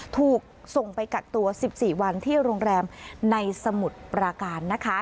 ถูกส่งไปกักตัว๑๔วันที่โรงแรมในสมุทรปราการนะคะ